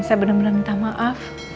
saya bener bener minta maaf